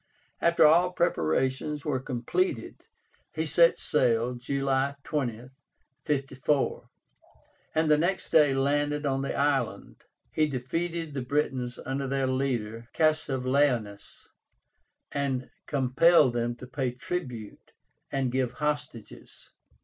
After all preparations were completed, he set sail, July 20, 54, and the next day landed on the island. He defeated the Britons under their leader CASSIVELAUNUS, and compelled them to pay tribute and give hostages.